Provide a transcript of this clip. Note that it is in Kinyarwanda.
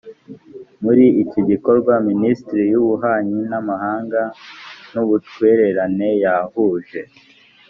muri iki gikorwa minisiteri y ububanyi n amahanga n ubutwererane yahuje